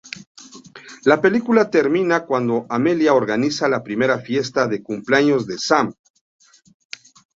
La película termina cuando Amelia organiza la primera fiesta de cumpleaños de Sam.